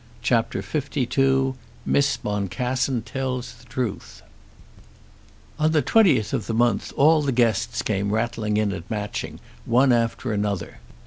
CHAPTER LII Miss Boncassen Tells the Truth On the 20th of the month all the guests came rattling in at Matching one after another.